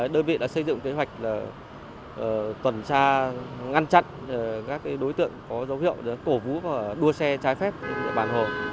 đơn vị đã xây dựng kế hoạch tuần tra ngăn chặn các đối tượng có dấu hiệu cổ vũ và đua xe trái phép trên địa bàn hồ